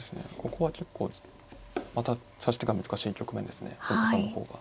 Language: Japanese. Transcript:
ここは結構また指し手が難しい局面ですね本田さんの方が。